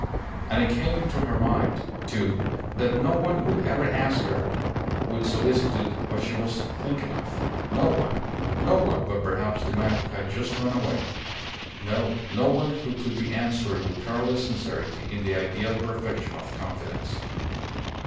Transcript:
And it came into her mind, too, that no one would ever ask her with solicitude what she was thinking of. No one. No one, but perhaps the man who had just gone away. No; no one who could be answered with careless sincerity in the ideal perfection of confidence.